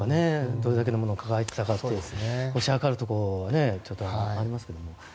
どれだけのものを抱えていたか推し量るところがちょっとありますけども。